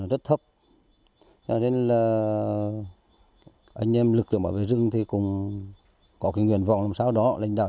rất thấp cho nên là anh em lực lượng bảo vệ rừng thì cũng có cái nguyện vọng làm sao đó lãnh đạo